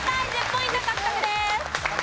１０ポイント獲得です。